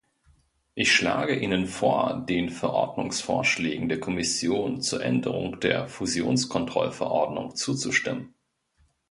Ich schlage Ihnen vor, den Verordnungsvorschlägen der Kommission zur Änderung der Fusionskontrollverordnung zuzustimmen.